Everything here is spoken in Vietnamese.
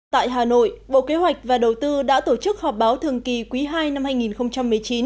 tại hà nội bộ kế hoạch và đầu tư đã tổ chức họp báo thường kỳ quý ii năm hai nghìn một mươi chín